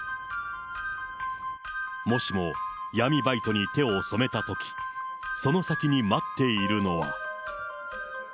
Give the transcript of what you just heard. もしも闇バイトに手を染めたとき、その先に待っているのは。